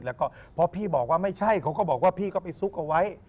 แล้วก็พอพี่บอกว่าไม่ใช่เขาก็บอกว่าพี่ก็ไปซุกเอาไว้